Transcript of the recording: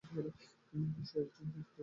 সে একজন সত্যিকারের police officer.